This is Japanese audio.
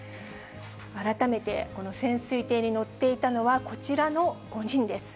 改めて、この潜水艇に乗っていたのは、こちらの５人です。